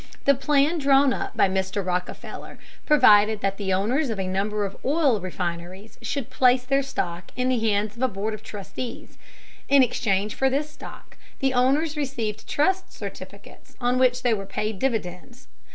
The plan drawn up by Mr. Rockefeller provided that the owners of a number of oil refineries should place their stock in the hands of a board of trustees. In exchange for this stock, the owners received trust certificates on which they were paid dividends.